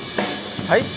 はい？